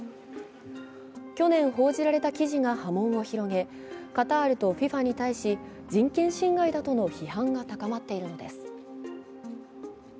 去年報じられた記事が波紋を広げカタールとＦＩＦＡに対し人権侵害だとの批判が高まっているのです。